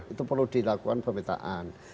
itu perlu dilakukan pemetaan